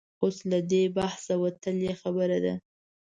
اوس له دې بحثه وتلې خبره ده.